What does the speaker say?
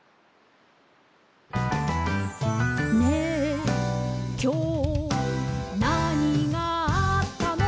「ねえ、きょう、なにがあったの？」